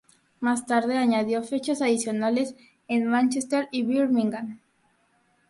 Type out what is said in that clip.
Más tarde, añadió fechas adicionales en Manchester y Birmingham.